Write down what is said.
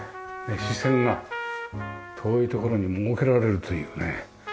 視線が遠いところに設けられるというね。